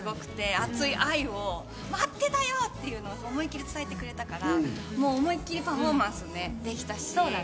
本当にすごくて熱い愛を、待ってたよ！っていうのを思いっきり伝えてくれたから、思い切りパフォーマンスできたし。